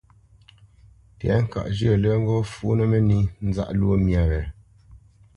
Tɛ̌ŋkaʼ zhyə̂ lə́ ŋgɔ́ fǔnə́ mə́nī nzáʼ lwó myâ wě,